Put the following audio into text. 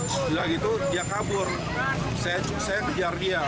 setelah itu dia kabur saya kejar dia